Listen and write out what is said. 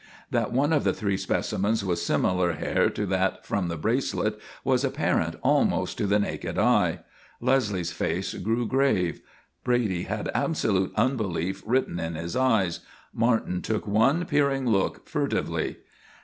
That one of the three specimens was similar hair to that from the bracelet was apparent almost to the naked eye. Leslie's face grew grave. Brady had absolute unbelief written in his eyes. Martin took one peering look furtively.